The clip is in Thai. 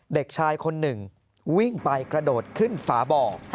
เด็กชายคนหนึ่งวิ่งไปกระโดดขึ้นฝาบ่อ